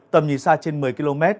tầm nhìn xa trên một mươi km